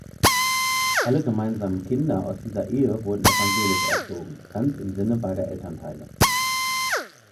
Alle gemeinsamen Kinder aus dieser Ehe wurden evangelisch erzogen, ganz im Sinne beider Elternteile.